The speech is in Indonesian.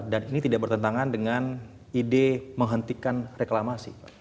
dan ini tidak bertentangan dengan ide menghentikan rencana